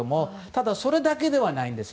ただ、それだけではないんです。